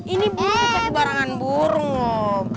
ini bukan barangan burung om